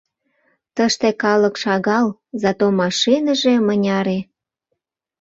Тыште калык шагал Зато машиныже мыняре!